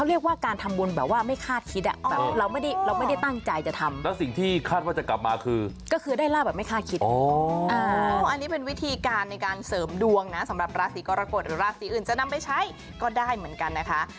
เพื่อทำให้เราเตรียมดวงนะราศีกอรักษ์คนอื่นจะนำไปใช้ก็ได้เหมือนกันนะคะ